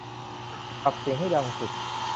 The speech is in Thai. ปรับเสียงให้ดังสุด